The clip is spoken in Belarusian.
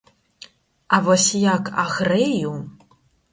А вось як агрэю!